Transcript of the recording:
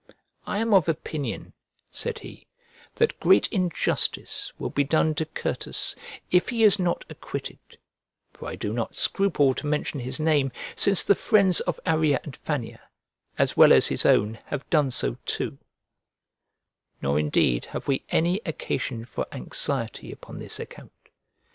"I am of opinion," said he, "that great injustice will be done to Certus if he is not acquitted (for I do not scruple to mention his name, since the friends of Arria and Fannia, as well as his own, have done so too), nor indeed have we any occasion for anxiety upon this account.